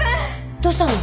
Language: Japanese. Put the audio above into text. どうしたの？